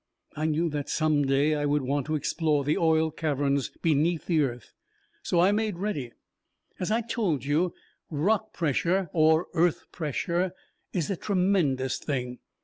I knew that some day I would want to explore the oil caverns beneath the earth, so I made ready. "As I told you, rock pressure, or earth pressure, is a tremendous thing.